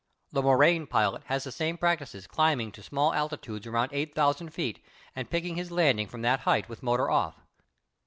The Morane pilot has the same practices climbing to small altitudes around eight thousand feet and picking his landing from that height with motor off.